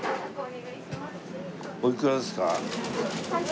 おいくらですか？